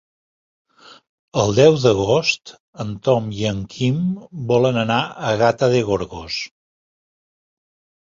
El deu d'agost en Tom i en Quim volen anar a Gata de Gorgos.